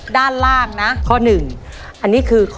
แล้ววันนี้ผมมีสิ่งหนึ่งนะครับเป็นตัวแทนกำลังใจจากผมเล็กน้อยครับ